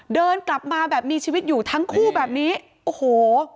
เดินกลับมาแบบมีชีวิตอยู่ทั้งคู่แบบนี้โอ้โห